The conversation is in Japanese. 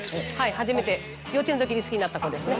初めて幼稚園のときに好きになった子ですね。